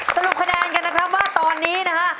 สรุปคะแนนกันนะครับว่าตอนนี้นะฮะ